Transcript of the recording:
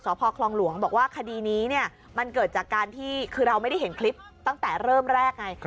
พ่อคลองหลวงบอกว่าคดีนี้เนี่ยมันเกิดจากการที่คือเราไม่ได้เห็นคลิปตั้งแต่เริ่มแรกไง